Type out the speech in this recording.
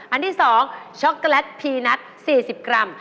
อันที่๒ช็อกโกแลตพีนัท๔๐กรัม